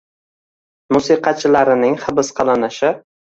musiqachilarining hibs qilinishi